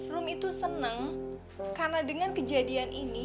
rom itu seneng karena dengan kejadian ini